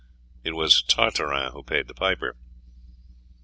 It was Tartarin who paid the piper.